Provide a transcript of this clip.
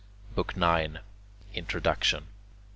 BOOK IX INTRODUCTION 1.